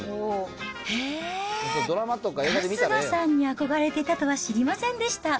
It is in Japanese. へー、春日さんに憧れていたとは知りませんでした。